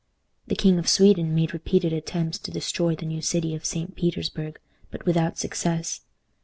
The King of Sweden made repeated attempts to destroy the new city of St. Petersburg, but without success.